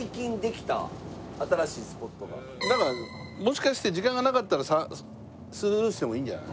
もしかして時間がなかったらスルーしてもいいんじゃない？